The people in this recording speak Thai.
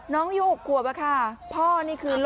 น้องอยู่อุปกรณ์ป่ะค่ะ